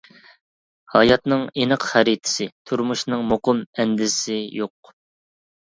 ھاياتنىڭ ئېنىق خەرىتىسى، تۇرمۇشنىڭ مۇقىم ئەندىزىسى يوق.